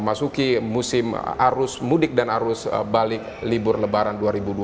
masuki musim arus mudik dan arus balik libur lebaran dua ribu dua puluh tiga